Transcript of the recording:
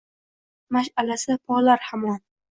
Mashʼalasi porlar hamon